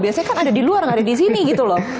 biasanya kan ada di luar nggak ada di sini gitu loh